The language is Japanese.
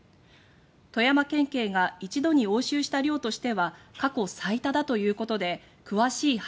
富山県警が一度に押収した量としては過去最多だということで詳しい背景を調べています。